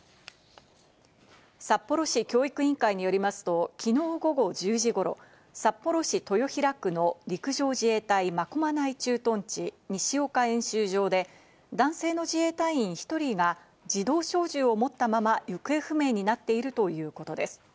札幌市教育委員会によりますと、きのう午後１０時ごろ、札幌市豊平区の陸上自衛隊真駒内駐屯地、西岡演習場で男性の自衛隊員１人が自動小銃を持ったまま行方不明になっているということです。